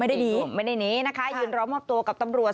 ไม่ได้หนีไม่ได้หนีนะคะยืนรอมอบตัวกับตำรวจ